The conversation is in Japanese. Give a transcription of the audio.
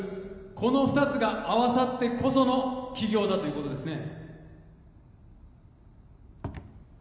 この２つが合わさってこその起業だということですね